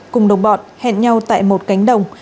cùng đồng bọn hẹn nhau tại một cánh đồng